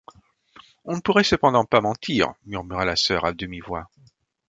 On ne pourrait cependant pas mentir, murmura la sœur à demi-voix.